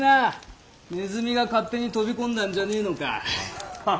ネズミが勝手に飛び込んだんじゃねえのか。